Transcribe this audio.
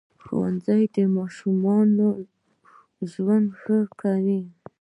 ښوونځی د ماشوم ژوند ښه کوي